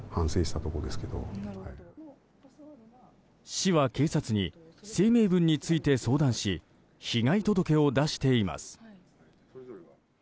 市は警察に声明文について相談し被害届を出しています。